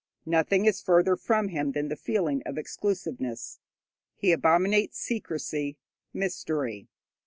Nothing is further from him than the feeling of exclusiveness. He abominates secrecy, mystery.